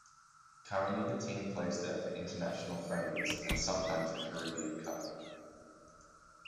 Currently the team plays there for international friendlies and sometimes the Caribbean Cup.